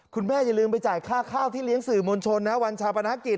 อย่าลืมไปจ่ายค่าข้าวที่เลี้ยงสื่อมวลชนนะวันชาปนากิจ